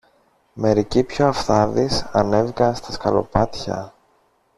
Μερικοί πιο αυθάδεις ανέβηκαν στα σκαλοπάτια